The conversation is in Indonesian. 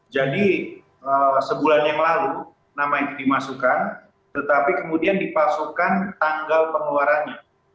sebulan yang lalu nama ini dimasukkan tetapi kemudian dipasukkan tanggal pengeluarannya